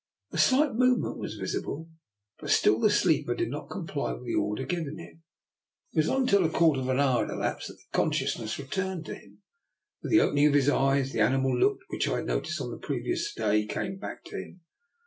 A slight movement was visible, but still the sleeper did not comply with the order given him. It was not until a quarter of an hour had elapsed that consciousness returned to him. With the opening of his eyes the animal look which I had noticed on the previ ous day came back to him.